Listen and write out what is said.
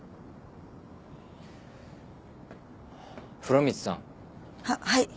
風呂光さん。ははい。